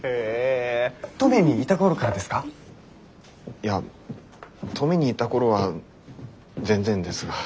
いや登米にいた頃は全然ですが。